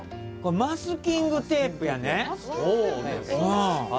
マスキングテープです。